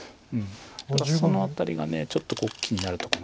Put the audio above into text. ただその辺りがちょっと気になるとこなんですよね。